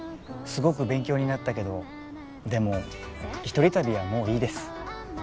すごく勉強になったけどでも一人旅はもういいです